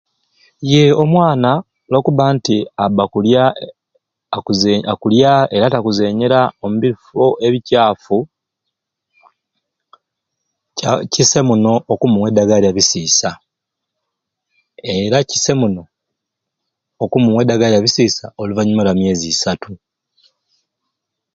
Iye omwana lwakuba nti aba akulya akulya era te akuzenyera omubifo ebikyafu kya kisai muno okumuwa edagala lya bisiisa era kisai muno okumuwa edagala lya bisiisa oluvanyuma lwa myezi esatu.